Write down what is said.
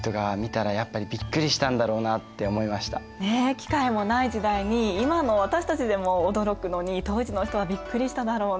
機械もない時代に今の私たちでも驚くのに当時の人はびっくりしただろうね。